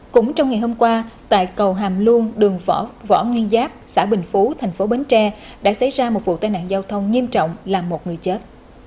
cũng trong ngày hôm qua tại cầu hàm luông đường võ nguyên giáp xã bình phú thành phố bến tre đã xảy ra một vụ tai nạn giao thông nghiêm trọng làm một người chết